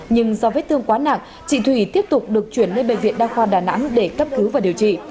nhưng do vết thương quá nặng chị thủy tiếp tục được chuyển lên bệnh viện đa khoa đà nẵng để cấp cứu và điều trị